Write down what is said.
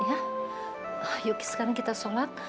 yuk sekarang kita sholat